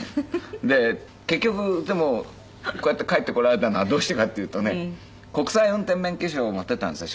で結局でもこうやって帰ってこられたのはどうしてかっていうとね国際運転免許証を持って行ったんですよ